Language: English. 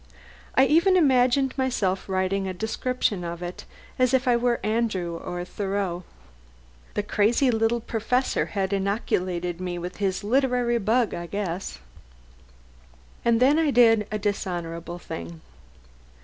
I even imagined myself writing a description of it, as if I were Andrew or Thoreau. The crazy little Professor had inoculated me with his literary bug, I guess. And then I did a dishonourable thing.